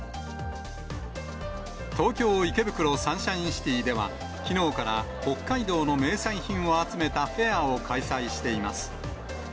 東京・池袋サンシャインシティでは、きのうから北海道の名産品を集めたフェアを開催しています。